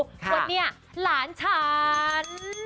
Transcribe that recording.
วันนี้หลานฉัน